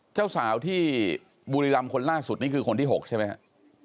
เจ้าสาวที่บุรีรำคนล่าสุดนี่คือคนที่๖ใช่ไหมครับ